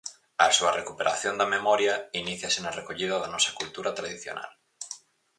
A súa recuperación da memoria iníciase na recollida da nosa cultura tradicional.